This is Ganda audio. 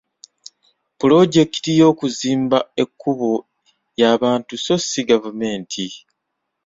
Pulojekiti y'okuzimba ekkubo y'abantu so si gavumenti.